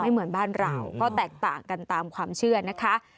เหมือนบ้านเราก็แตกต่างกันตามความเชื่อนะคะ